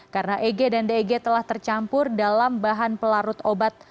karena eg dan deg telah tercampur dalam bahan pelarut obat